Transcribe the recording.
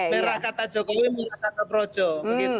merah kata jokowi merah kata projo